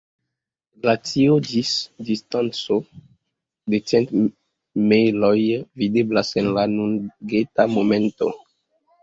Glacio ĝis distanco de cent mejloj videblas en la nunega momento.